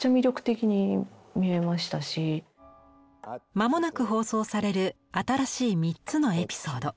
間もなく放送される新しい３つのエピソード。